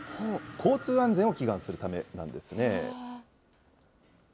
交通安全を祈願するためなんですね。